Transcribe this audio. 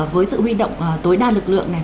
với sự huy động tối đa lực lượng này